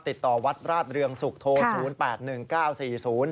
ที่เบอร์โทรที่ผมลงไว้